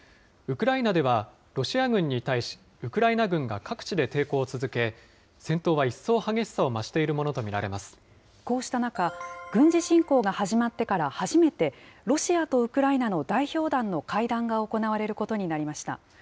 ウクライナでは、ロシア軍に対し、ウクライナ軍が各地で抵抗を続け、戦闘は一層激しさを増しているもこうした中、軍事侵攻が始まってから初めてロシアとウクライナの代表団の会談が行われることになりました。